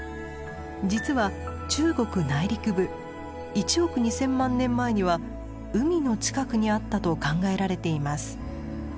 実は中国内陸部１億２，０００万年前には海の近くにあったと考えられています。